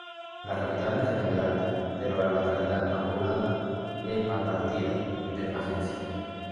La capital es Cañaveral, pero la localidad más poblada es Malpartida de Plasencia.